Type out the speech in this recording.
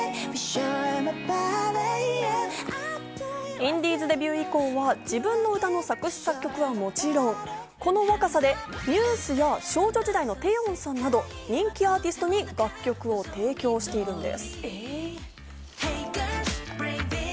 インディーズデビュー以降は自分の歌の作詞・作曲はもちろん、この若さでＮＥＷＳや少女時代のテヨンさんなど人気アーティストに楽曲を提供しているんです。